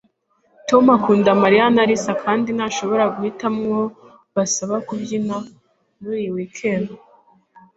Tom akunda Mariya na Alice kandi ntashobora guhitamo uwo basaba kubyina muri iyi weekend